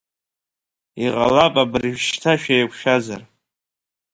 Иҟалап абыржәшьҭа шәеиқәшәазар!